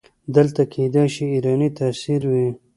دلته کیدای شي ایرانی تاثیر وي.